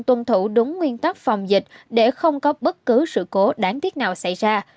tuân thủ đúng nguyên tắc phòng dịch để không có bất cứ sự cố đáng tiếc nào xảy ra